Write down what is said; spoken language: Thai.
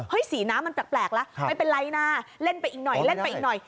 เฮ้ยสีน้ำมันแปลกแล้วไปเป็นไรนะเล่นไปอีกหน่อย